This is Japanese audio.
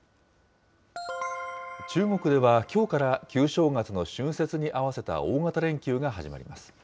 中国ではきょうから旧正月の春節に合わせた大型連休が始まります。